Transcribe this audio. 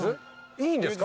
いいんですか？